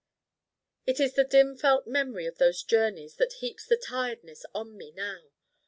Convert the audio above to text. It is the dim felt memory of those journeys that heaps the Tiredness on me now.